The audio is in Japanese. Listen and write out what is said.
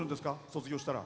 卒業したら。